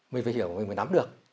mình phải hiểu mà mình mới nắm được